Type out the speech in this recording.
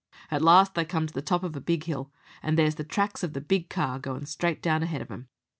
At last they come to the top of the big 'ill, and there's the tracks of the big car goin' straight down ahead of 'em.